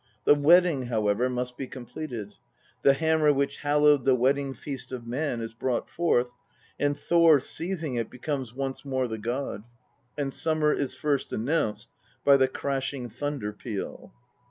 The wedding, however, must be completed. The hammer which hallowed the wedding feast of man is brought forth, and Thor seizing it becomes once more the god and summer is first announced by the crashing thunder peal.